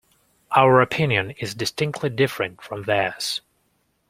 Our opinion is distinctly different from theirs.